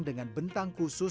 dengan bentang khusus